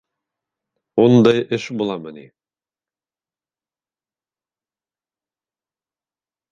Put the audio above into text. Ундай эш буламы ни?